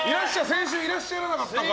先週いらっしゃらなかったから。